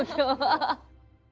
ハハハ！